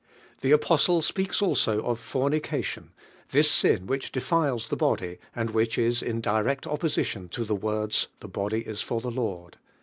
The apostle speaks also of fornication, this sin which defiles the body, and which is in direct opposition to the words, "The body is for the Lord."